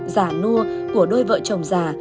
giả nua của đôi vợ chồng già